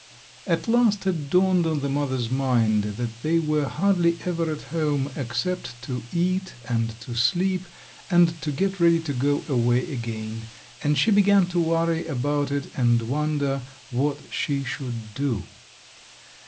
At last it dawned on the mother's mind that they were hardly ever at home except to eat and to sleep and to get ready to go away again and she began to worry about it and wonder what she should do.